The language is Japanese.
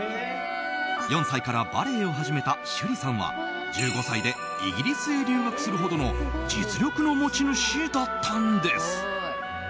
４歳からバレエを始めた趣里さんは１５歳でイギリスへ留学するほどの実力の持ち主だったんです。